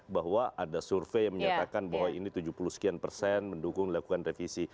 bahwa ada survei yang menyatakan bahwa ini tujuh puluh sekian persen mendukung dilakukan revisi